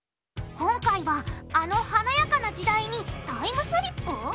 今回はあの華やかな時代にタイムスリップ？